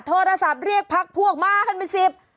โทรค่ะโทรศัพท์เรียกพักพวกมาขึ้นไปสิบ